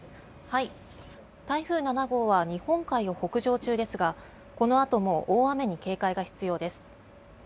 台風７号は日本海を北上中ですがこのあとも大雨に警戒が必要です。